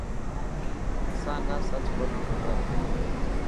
اسان نا سچ ٻولڻ کپي.